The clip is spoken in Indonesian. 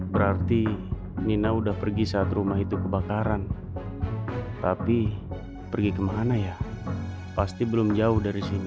berarti nina sudah pergi saat rumah itu kebakaran tapi pergi kemana ya pasti belum jauh dari sini